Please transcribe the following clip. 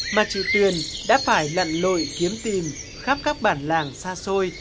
mà chị tuyền đã phải lặn lội kiếm tìm khắp các bản làng xa xôi